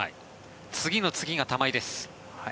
次の次が玉井です。